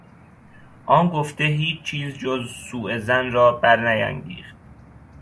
آن گفته هیچ چیز جز سوظن را برنیانگیخت.